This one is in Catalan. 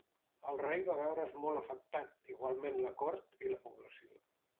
El rei va veure's molt afectat, igualment la cort i la població.